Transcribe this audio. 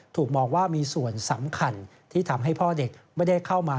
ถูกมองว่ามีส่วนสำคัญที่ทำให้พ่อเด็กไม่ได้เข้ามา